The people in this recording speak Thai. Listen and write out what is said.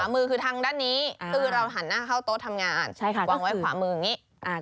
มือคือทางด้านนี้คือเราหันหน้าเข้าโต๊ะทำงานวางไว้ขวามืออย่างนี้